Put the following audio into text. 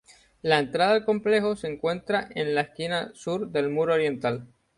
La entrada al complejo se encuentra en la esquina sur del muro oriental.